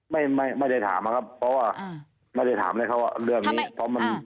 ไม่ไม่ได้ถามนะครับเพราะว่าไม่ได้ถามอะไรเขาว่าเรื่องนี้เพราะมัน